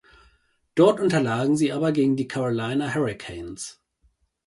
Dort unterlagen sie aber gegen die Carolina Hurricanes.